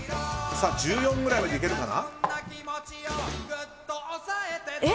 １４ぐらいまでいけるかな？